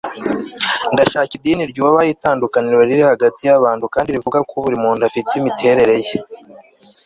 Ndashaka idini ryubaha itandukaniro riri hagati yabantu kandi rivuga ko buri muntu afite imiterere ye